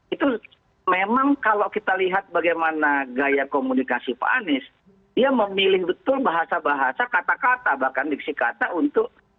itu memang kalau kita lihat bagaimana gaya komunikasi pak anies dia memilih betul bahasa bahasa kata kata bahkan diksi kata untuk